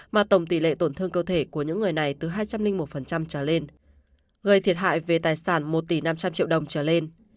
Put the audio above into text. mà tổng tỷ lệ tổn thương cơ thể của những người này từ hai trăm linh một trở lên gây thiệt hại về tài sản một tỷ năm trăm linh triệu đồng trở lên